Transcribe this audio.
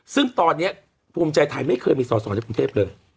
ซึ่งตอนนี้ภูมิใจไทยไม่เคยมีสอสอในกรุงเทพเลย